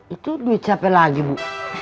itu duit capek lagi bu